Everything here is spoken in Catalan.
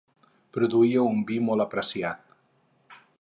Produïa un vi molt apreciat.